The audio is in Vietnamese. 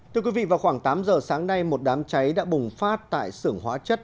thưa quý vị vào khoảng tám giờ sáng nay một đám cháy đã bùng phát tại sưởng hóa chất